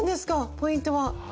ポイントは。